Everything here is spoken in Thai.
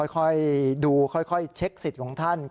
ค่อยดูค่อยเช็คสิทธิ์ของท่าน